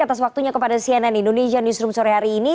atas waktunya kepada cnn indonesia newsroom sore hari ini